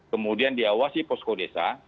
kemudian diawasi posko desa